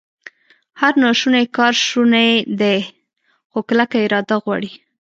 هر ناشونی کار شونی دی، خو کلکه اراده غواړي